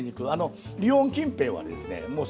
リヨン近辺はですね